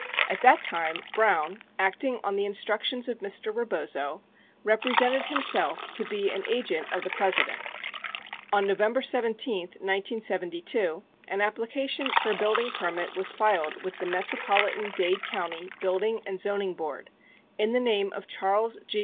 65 At that time, Brown, acting on the instructions of Mr. Rebozo, repre sented himself to be an agent of the President. 66 On November 17, 1972, an application for a building permit was filed with the Metro politan Dade County Building and Zoning Board in the name of Charles G.